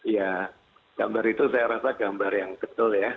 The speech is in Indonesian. ya gambar itu saya rasa gambar yang betul ya